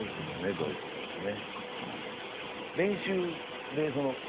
ドイツ戦でね。